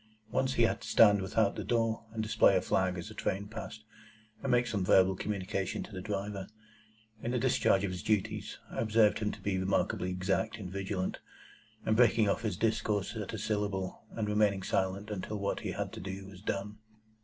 Once he had to stand without the door, and display a flag as a train passed, and make some verbal communication to the driver. In the discharge of his duties, I observed him to be remarkably exact and vigilant, breaking off his discourse at a syllable, and remaining silent until what he had to do was done.